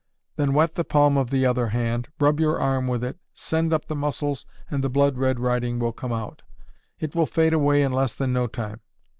Then wet the palm of the other hand, rub your arm with it. Send up the muscles and the blood red writing will come out. It will fade away in less than no time.